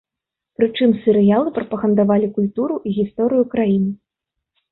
Прычым серыялы прапагандавалі культуру і гісторыю краін.